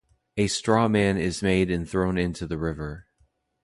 A straw-man is made and thrown into the river.